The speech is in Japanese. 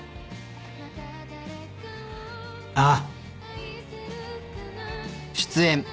ああ。